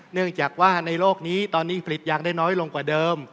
เนื่องจากว่าในโลกนี้ตอนนี้ผลิตยางได้น้อยลงกว่าเดิม